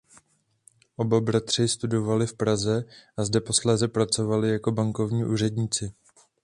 Oba bratři studovali v Praze a zde posléze pracovali jako bankovní úředníci.